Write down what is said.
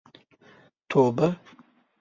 توبه.